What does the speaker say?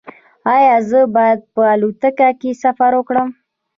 ایا زه باید په الوتکه کې سفر وکړم؟